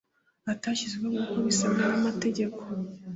Atashyizweho nk uko bisabwa n amategeko